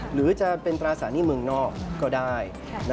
หรือจะเป็นปราศานี่เมืองนอกก็ได้